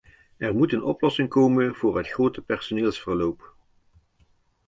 Er moet een oplossing komen voor het grote personeelsverloop.